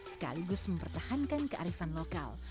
sekaligus mempertahankan kearifan lokal